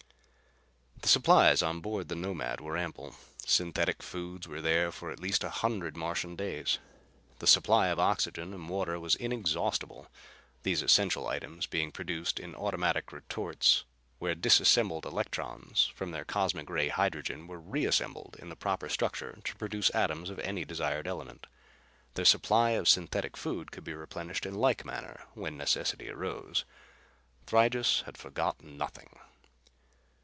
The supplies on board the Nomad were ample. Synthetic foods there were for at least a hundred Martian days. The supply of oxygen and water was inexhaustible, these essential items being produced in automatic retorts where disassembled electrons from their cosmic ray hydrogen were reassembled in the proper structure to produce atoms of any desired element. Their supply of synthetic food could be replenished in like manner when necessity arose. Thrygis had forgotten nothing.